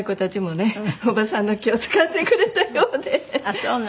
おばさんの気を使ってくれたようで。